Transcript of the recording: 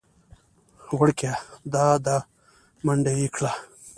وېړکيه دا ده منډه يې کړه .